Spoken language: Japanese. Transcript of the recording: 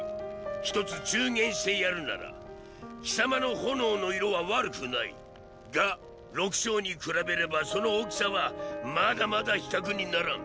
一つ忠言してやるなら貴様の炎の色は悪くない！が六将に比べればその大きさはまだまだ比較にならん。